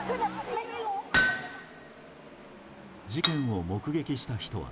事件を目撃した人は。